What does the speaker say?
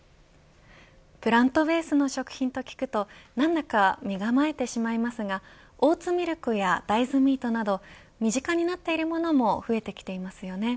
プラントベースの食品と聞くと何だか身構えてしまいますがオーツミルクや大豆ミートなど身近になっているものも増えてきていますよね。